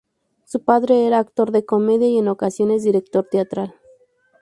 Su padre era actor de comedia y, en ocasiones, director teatral.